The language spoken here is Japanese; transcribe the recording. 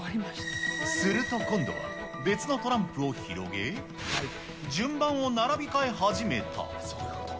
すると今度は、別のトランプを広げ、順番を並び替え始めた。